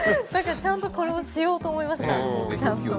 ちゃんとこれしようと思いました。